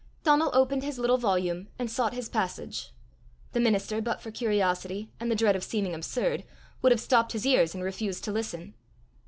Donal opened his little volume, and sought his passage. The minister but for curiosity and the dread of seeming absurd would have stopped his ears and refused to listen.